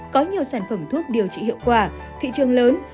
có nhiều sản phẩm thuốc điều trị hiệu quả thị trường lớn